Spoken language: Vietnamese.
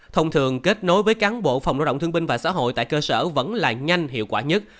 thông thường kết nối với cán bộ phòng lao động thương binh và xã hội tại cơ sở vẫn là nhanh hiệu quả nhất